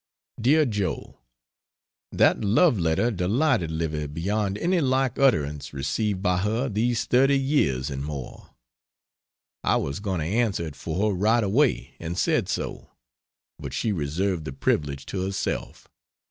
DEAR JOE, That love letter delighted Livy beyond any like utterance received by her these thirty years and more. I was going to answer it for her right away, and said so; but she reserved the privilege to herself.